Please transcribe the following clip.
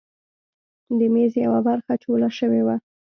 د میز یوه برخه چوله شوې وه.